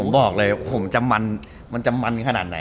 ผมจะมันมันจะมันขนาดไหน